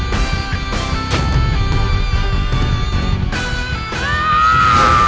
tuh siar putraku